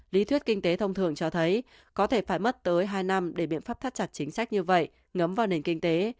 lý thuyết kinh tế thông thường cho thấy có thể phải mất tới hai năm để biện pháp thắt chặt chính sách như vậy ngấm vào nền kinh tế